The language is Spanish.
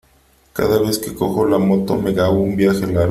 Cada vez que cojo la moto me hago un viaje largo.